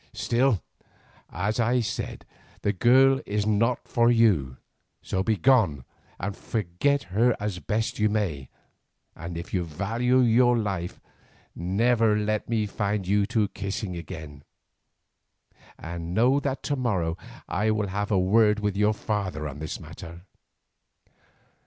Still, as I have said, the girl is not for you, so be gone and forget her as best you may, and if you value your life, never let me find you two kissing again. And know that to morrow I will have a word with your father on this matter."